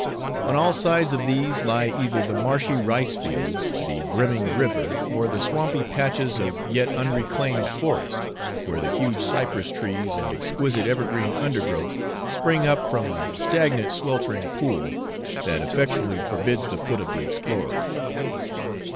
On all sides of these lie either the marshy rice fields, the brimming river, or the swampy patches of yet unreclaimed forest, where the huge cypress trees and exquisite evergreen undergrowth spring up from a stagnant sweltering pool, that effectually forbids the foot of the explorer.